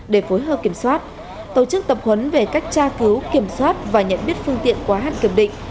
để phối hợp kiểm soát tổ chức tập huấn về cách tra cứu kiểm soát và nhận biết phương tiện quá hạn kiểm định